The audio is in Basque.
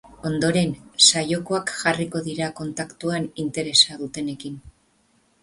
Ondoren, saiokoak jarriko dira kontaktuan interesa dutenekin.